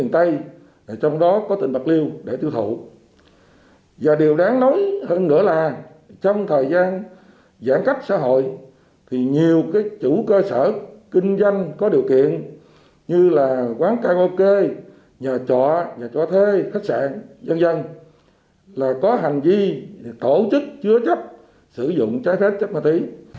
trong thời gian giãn cách xã hội thì nhiều chủ cơ sở kinh doanh có điều kiện như là quán karaoke nhà chọa nhà chọa thê khách sạn dân dân là có hành vi tổ chức chứa chấp sử dụng trái phép chân ma túy